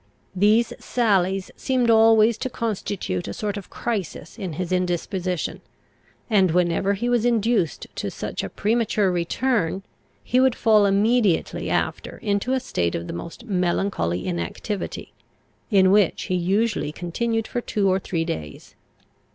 These sallies seemed always to constitute a sort of crisis in his indisposition; and, whenever he was induced to such a premature return, he would fall immediately after into a state of the most melancholy inactivity, in which he usually continued for two or three days.